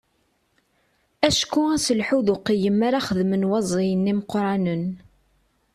Acku aselḥu d uqeyyem ara xedmen waẓiyen imeqqranen.